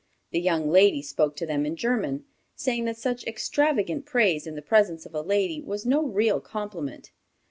The young lady spoke to them in German, saying that such extravagant praise in the presence of a lady was no real compliment.